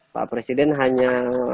pak presiden hanya